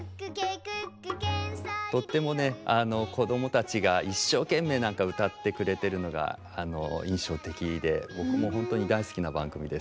とってもね子供たちが一生懸命歌ってくれてるのが印象的で僕も本当に大好きな番組です。